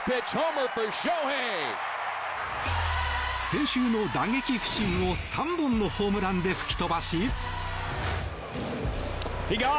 先週の打撃不振を３本のホームランで吹き飛ばし。